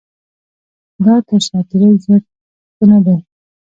دا تر ساعت تېرۍ زیات څه نه دی.